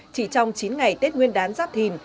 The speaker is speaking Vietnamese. chỉ trong chín ngày tết nguyên đán giáp thỉnh